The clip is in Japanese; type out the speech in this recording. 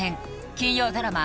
金曜ドラマ